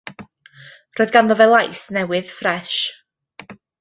Roedd ganddo fe lais newydd ffres.